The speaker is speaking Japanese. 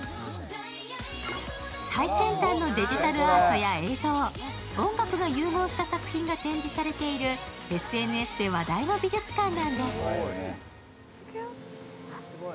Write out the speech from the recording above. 最先端のデジタルアートや映像、音楽が融合した作品が展示されているＳＮＳで話題の美術館なんです。